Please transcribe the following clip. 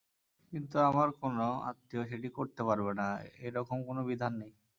কিন্তু আমার কোনো আত্মীয় সেটি করতে পারবে না—এ রকম কোনো বিধান নেই।